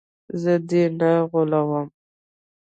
زه دې نه غولوم.